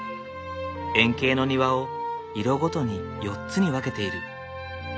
円形の庭を色ごとに４つに分けている。